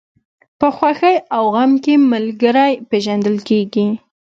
په خوښۍ او غم کې ملګری پېژندل کېږي.